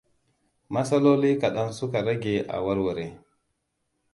Matsaloli kaɗan suka rage a warware.